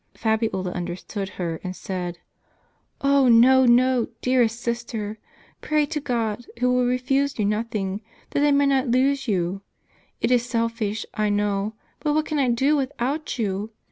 Fabiola under stood her, and said :" 0, no, no, dearest sister. Pray to God, who will refuse you nothing, that I may not lose you. It is cnfai selfish, I know ; but what can I do without you